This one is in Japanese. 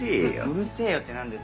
うるせぇよって何だよ。